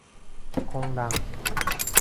混乱